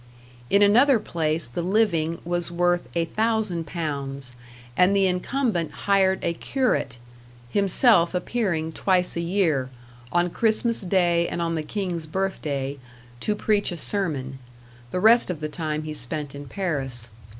In another place the living was worth a thousand pounds, and the incumbent hired a curate, himself appearing twice a year, on Christmas day and on the King's birth day, to preach a sermon; the rest of the time he spent in Paris.